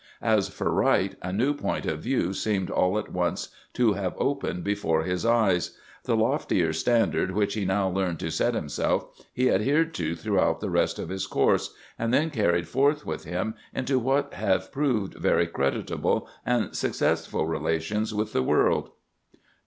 As for Wright, a new point of view seemed all at once to have opened before his eyes. The loftier standard which he now learned to set himself, he adhered to throughout the rest of his course, and then carried forth with him into what have proved very creditable and successful relations with the world."